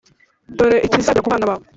Dore ikizagera ku bana bawe